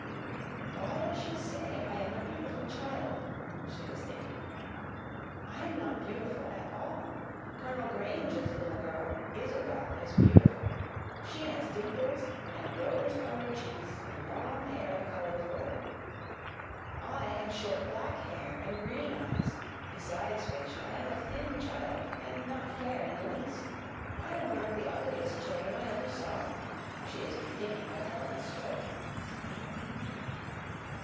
"Why does she say I am a beautiful child?" she was thinking. "I am not beautiful at all. Colonel Grange's little girl, Isobel, is beautiful. She has dimples and rose colored cheeks, and long hair the color of gold. I have short black hair and green eyes; besides which, I am a thin child and not fair in the least. I am one of the ugliest children I ever saw. She is beginning by telling a story."